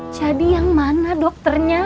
jadi yang mana dokternya